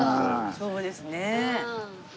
そうですね。